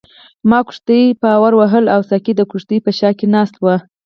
ما کښتۍ پارو وهله او ساقي د کښتۍ په شا کې ناست وو.